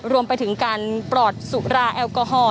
รวมไปถึงการปลอดสุราแอลกอฮอล